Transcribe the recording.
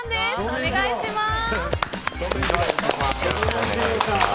お願いします。